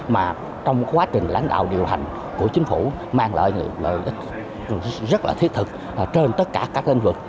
mà trong quá trình lãnh đạo điều hành của chính phủ mang lợi rất là thiết thực trên tất cả các lĩnh vực